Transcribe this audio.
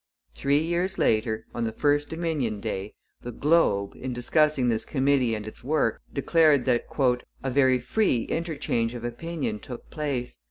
Three years later, on the first Dominion Day, the Globe, in discussing this committee and its work, declared that 'a very free interchange of opinion took place.